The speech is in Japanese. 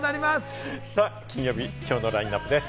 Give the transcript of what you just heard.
金曜日、きょうのラインナップです。